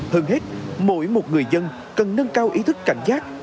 hơn hết mỗi một người dân cần nâng cao ý thức cảnh giác